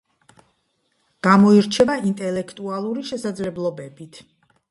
გამოირჩევა ინტელექტუალური შესაძლებლობებით.